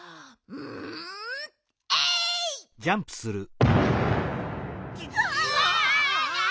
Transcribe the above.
うわ！